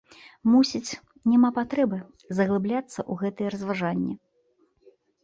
Мусіць, няма патрэбы заглыбляцца ў гэтыя разважанні.